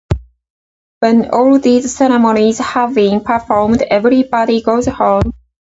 When all these ceremonies have been performed, everybody goes home.